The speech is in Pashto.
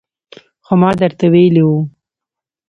خو ما درته ویلي وو